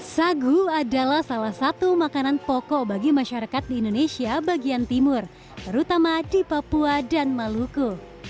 sagu adalah salah satu makanan pokok bagi masyarakat di indonesia bagian timur terutama di papua dan maluku